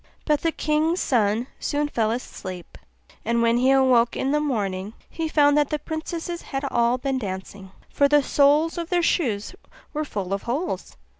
But the king's son soon fell asleep; and when he awoke in the morning he found that the princesses had all been dancing, for the soles of their shoes were full of holes.